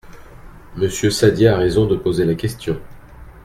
Monsieur Saddier a raison de poser la question.